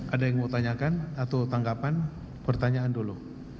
ada yang mau tanyakan atau tanggapan pertanyaan dulu